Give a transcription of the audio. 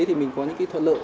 thì mình có những cái thuận lợi